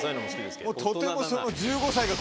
とても。